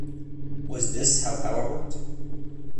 Was this how power worked?